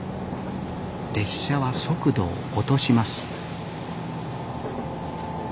列車は速度を落とします